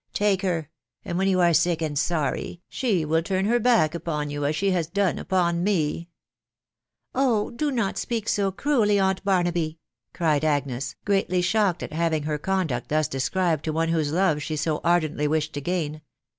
Take her ; and when you are sick and sorry, she will turn her back ' upon you, as she has done upon me !" "Oh ! do not speak so cruelly, aunt Barnaby!" cried Agnes, greatly shocked at having her conduct thus described to one whose love she so ardently wished to gain.